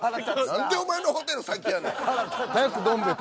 何でお前のホテル先やねん？